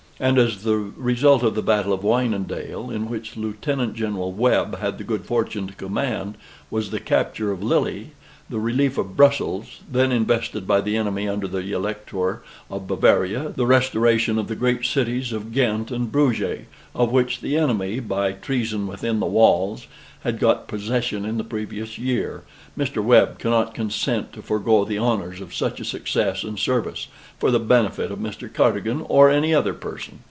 And as the result of the battle of Wynendael, in which Lieutenant General Webb had the good fortune to command, was the capture of Lille, the relief of Brussels, then invested by the enemy under the Elector of Bavaria, the restoration of the great cities of Ghent and Bruges, of which the enemy (by treason within the walls) had got possession in the previous year, Mr. Webb cannot consent to forego the honors of such a success and service, for the benefit of Mr. Cadogan, or any other person.